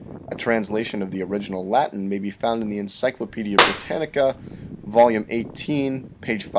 A translation of the original Latin may be found in the Encyclopaedia Britannica, Vol. XVIII, page 555.